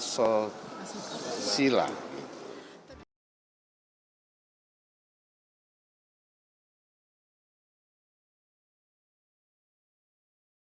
ketua dpr bambang susatyo